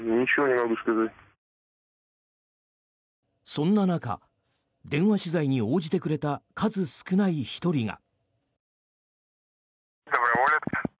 そんな中電話取材に応じてくれた数少ない１人が。